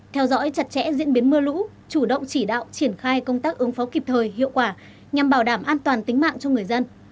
theo dõi chặt chẽ diễn biến mưa lũ chủ động chỉ đạo triển khai công tác ứng phó kịp thời hiệu quả nhằm bảo đảm an toàn tính mạng cho người dân